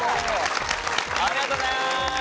ありがとうございます。